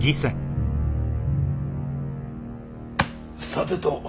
さてと。